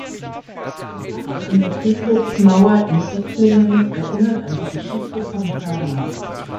Eine Platte an der Friedhofsmauer in Ettlingen erinnert an die Geschichte von Hörner.